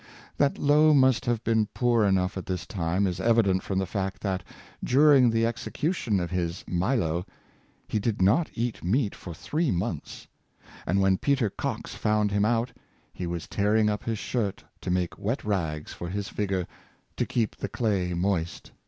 That Lough must have been poor enough at this time, is evident from the fact that, during the execution of his ' Milo,' he did not eat meat for three months; and when Peter Coxe found him out, he was tearing up his shirt to make wet rags for his figure, to keep the clay moist.